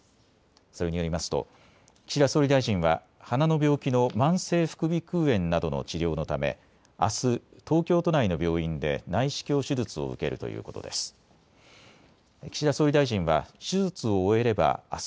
それによりますと岸田総理大臣は鼻の病気の慢性副鼻くう炎などの治療のため、あす東京都内の病院で内視鏡手術を受けるということです。